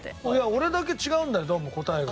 俺だけ違うんだよどうも答えが。